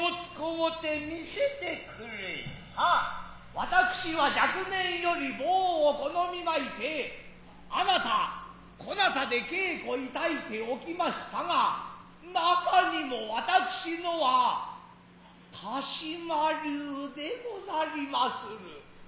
私は若年より棒を好みまいて彼方此方で稽古致いておきましたが中でも私のは鹿島流でござりまする。